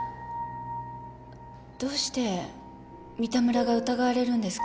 どうして三田村が疑われるんですか？